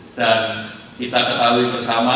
dan kita ketahui bersama